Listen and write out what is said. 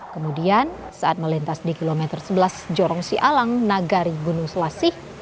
kemudian saat melintas di kilometer sebelas jorong sialang nagari gunung selasi